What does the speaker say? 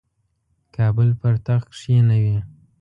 کابل پر تخت کښېنوي.